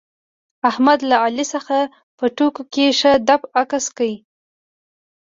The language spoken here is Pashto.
احمد له علي څخه په ټوکو کې ښه دپ اسک کړ.